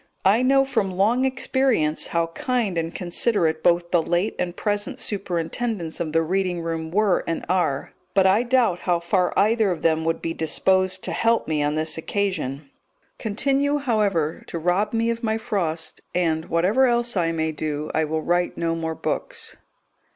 I know from long experience how kind and considerate both the late and present superintendents of the reading room were and are, but I doubt how far either of them would be disposed to help me on this occasion; continue, however, to rob me of my Frost, and, whatever else I may do, I will write no more books.